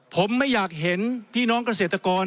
ผมไม่อยากเห็นพี่น้องเกษตรกร